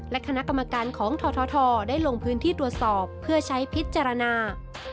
และคณะกรรมการของททได้ลงพื้นที่ตรวจสอบเพื่อใช้พิจารณา